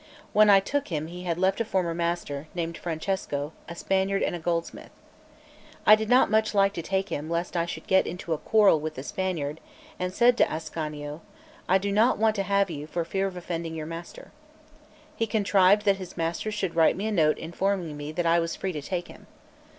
When I took him he had left a former master, named Francesco, a Spaniard and a goldsmith. I did not much like to take him, lest I should get into a quarrel with the Spaniard, and said to Ascanio: "I do not want to have you, for fear of offending your master." He contrived that his master should write me a note informing me that I was free to take him.